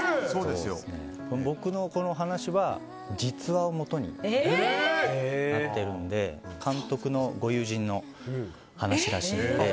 僕のこの話は実話がもとになってるので監督のご友人の話らしいので。